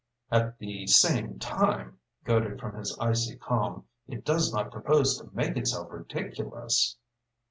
"At the same time," goaded from his icy calm "it does not propose to make itself ridiculous!"